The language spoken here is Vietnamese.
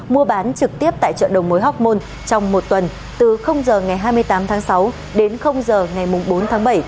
mua bán trực tiếp tại chợ đầu mối hóc môn trong một tuần từ h ngày hai mươi tám tháng sáu đến h ngày bốn tháng bảy